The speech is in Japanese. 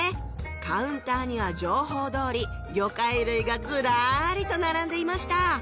カウンターには情報どおり魚介類がズラリと並んでいました